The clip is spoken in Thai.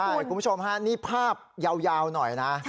คุณผู้ชมฮะนี่ภาพยาวหน่อยนะ